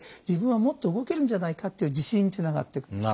自分はもっと動けるんじゃないかという自信につながっていく。